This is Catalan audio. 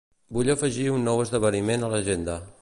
Vull afegir un nou esdeveniment a l'agenda.